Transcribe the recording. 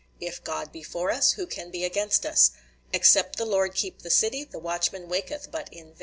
"If God be for us, who can be against us? Except the Lord keep the city, the watchman waketh but in vain."